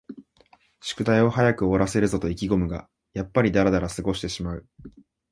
宿題を早く終わらせるぞと意気ごむが、やっぱりだらだら過ごしてしまう